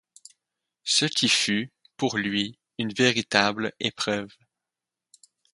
Ce qui fut, pour lui, une véritable épreuve.